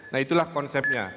nah itulah konsepnya